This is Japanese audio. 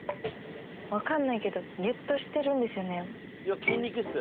分かんないけどギュッとしてるんですよね